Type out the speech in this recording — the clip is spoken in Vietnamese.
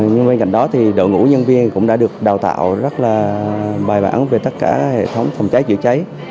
nhưng bên cạnh đó thì đội ngũ nhân viên cũng đã được đào tạo rất là bài bản về tất cả hệ thống phòng cháy chữa cháy